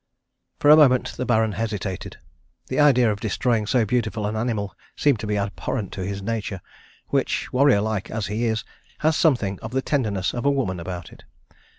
For a moment the Baron hesitated. The idea of destroying so beautiful an animal seemed to be abhorrent to his nature, which, warrior like as he is, has something of the tenderness of a woman about it.